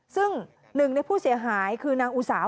ซึ่งหนึ่งในผู้เสียหายคือนางอุสาม